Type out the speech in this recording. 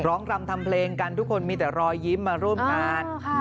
ร้องรำทำเพลงกันทุกคนมีแต่รอยยิ้มมาร่วมกันอ่าค่ะ